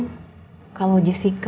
dari hasil pemeriksaan setelah visum